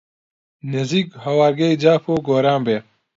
نزیک هەوارگەی جاف و گۆران بێ